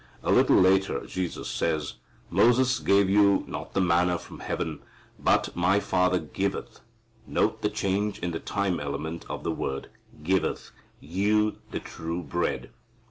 A little later Jesus says, "Moses gave you not the manna from heaven, but my Father giveth (note the change in the time element of the word) giv_eth_ you the true bread."